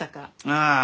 ああ。